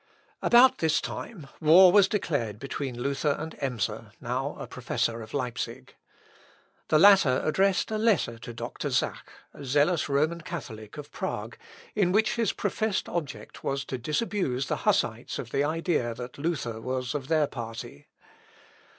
About this time war was declared between Luther and Emser, now a professor of Leipsic. The latter addressed a letter to Dr. Zach, a zealous Roman Catholic of Prague, in which his professed object was to disabuse the Hussites of the idea that Luther was of their party.